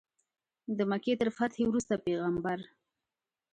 د مکې تر فتحې وروسته پیغمبر.